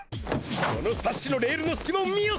このサッシのレールのすきまを見よ！